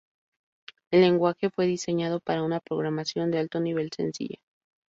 El lenguaje fue diseñado para una programación de alto nivel sencilla.